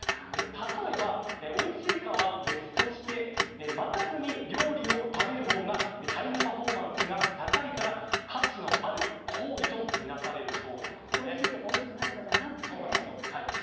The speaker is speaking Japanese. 例えば、おいしいかは別として待たずに料理を食べるほうがタイムパフォーマンスが高いから価値のある行為とみなされるそうなんです。